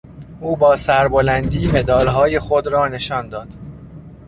او با سربلندی مدالهای خود را نشان داد.